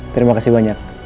terima kasih banyak